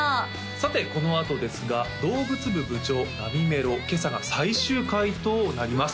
さてこのあとですが動物部部長なみめろ今朝が最終回となります